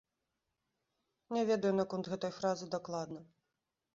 Не ведаю наконт гэтай фразы дакладна.